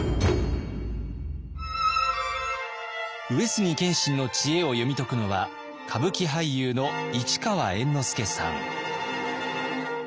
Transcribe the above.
上杉謙信の知恵を読み解くのは歌舞伎俳優の市川猿之助さん。